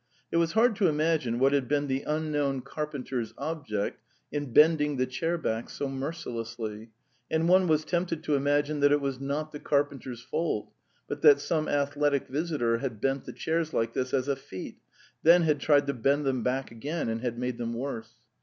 It was hard to imagine what had been the unknown carpenter's object in bending the chair backs so mercilessly, and one was tempted to imagine that it was not the carpenter's fault, but that some athletic visitor had bent the chairs like this as a feat, then had tried to bend them back again and had made them worse.